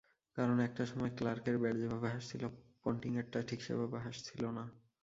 কারণ, একটা সময়ে ক্লার্কের ব্যাট যেভাবে হাসছিল, পন্টিংয়েরটা ঠিক সেভাবে হাসছিল না।